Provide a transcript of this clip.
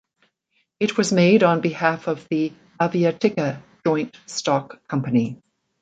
It was made on behalf of the "Aviatika" joint-stock company.